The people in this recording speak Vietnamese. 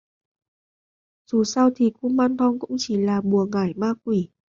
Dù sao thì kumanthong cũng chỉ là bùa ngải ma quỷ